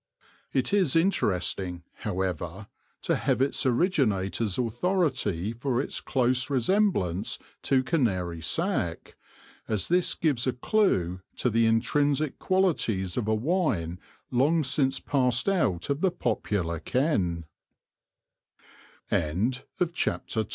It is interesting, however, to have its originator's authority for its close resemblance to Canary Sack, as this gives a clue to the intrinsic qualities of a wine long since passed out o